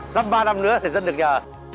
sắp ba năm nữa thì dân được nhờ